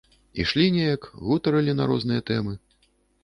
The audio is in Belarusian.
Ішлі неяк, гутарылі на розныя тэмы.